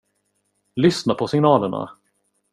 Lyssna på signalerna!